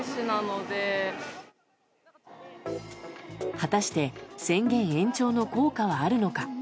果たして宣言延長の効果はあるのか。